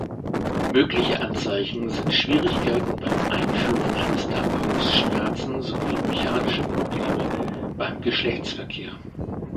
Mögliche Anzeichen sind Schwierigkeiten beim Einführen eines Tampons, Schmerzen sowie mechanische Probleme beim Geschlechtsverkehr.